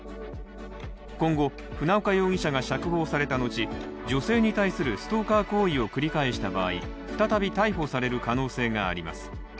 今後、船岡容疑者が釈放された後女性に対するストーカー行為を繰り返した場合再び逮捕される可能性があります。